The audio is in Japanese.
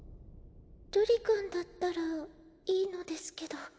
瑠璃君だったらいいのですけど。